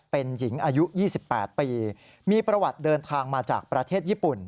เป็นหญิงอายุ๒๘ปีมีประวัติเดินทางมาจากประเทศญี่ปุ่น